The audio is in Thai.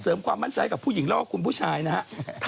เสริมความมั่นใจกับผู้หญิงแล้วก็ว่าคุณผู้ชายนะค่ะ